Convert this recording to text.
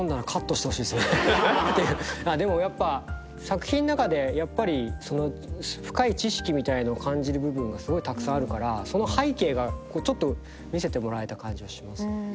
でもやっぱ作品の中で深い知識みたいのを感じる部分がすごいたくさんあるからその背景がちょっと見せてもらえた感じはしますね。